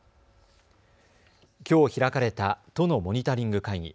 きょう開かれた都のモニタリング会議。